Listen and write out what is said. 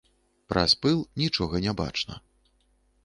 Праз пыл нічога не бачна.